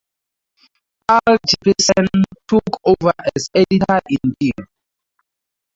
Carl Jeppesen took over as editor-in-chief.